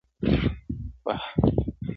پر هر ځای به لکه ستوري ځلېدله؛